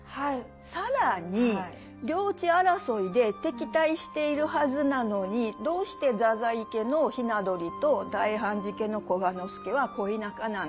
更に領地争いで敵対しているはずなのにどうして太宰家の雛鳥と大判事家の久我之助は恋仲なんだ。